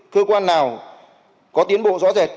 cơ quan nào có tiến bộ rõ rệt